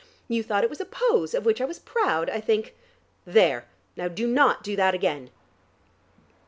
You thought it was a pose of which I was proud, I think. There! Now do not do that again."